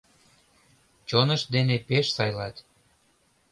Чонышт дене пеш сайлат